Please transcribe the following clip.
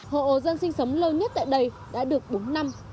hộ dân sinh sống lâu nhất tại đây đã được bốn năm